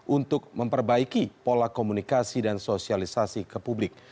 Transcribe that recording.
untuk memperbaiki pola komunikasi dan sosialisasi ke publik